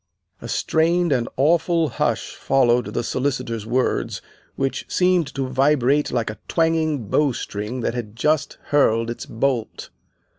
A strained and awful hush followed the Solicitor's words, which seemed to vibrate like a twanging bowstring that had just hurled its bolt.